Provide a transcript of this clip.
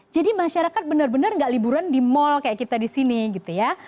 jadi masyarakat benar benar nggak liburan di mall kayak kita di sini gitu ya